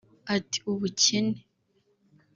Ati “Ubukene